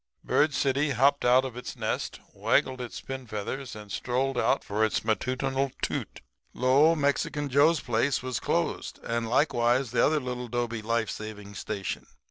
"Bird City hopped out of its nest, waggled its pin feathers and strolled out for its matutinal toot. Lo! Mexican Joe's place was closed and likewise the other little 'dobe life saving station.